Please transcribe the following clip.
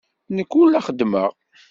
Nekk ur la xeddmeɣ.